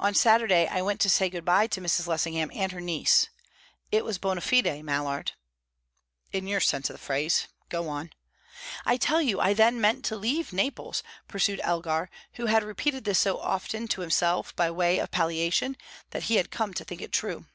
On Saturday I went to say good bye to Mrs. Lessingham and her niece; it was bona fide, Mallard." "In your sense of the phrase. Go on." "I tell you, I then meant to leave Naples," pursued Elgar, who had repeated this so often to himself, by way of palliation, that he had come to think it true.